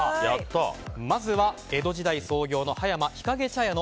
まずは江戸時代創業の葉山日影茶屋の